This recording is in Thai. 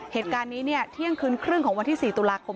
เหตุการณ์นี้เที่ยงคืนครึ่งของวันที่๔ตุลาคม